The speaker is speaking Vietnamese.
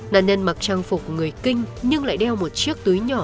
nạn nhân mặc trang phục của người kinh nhưng lại đeo một chiếc túi nhỏ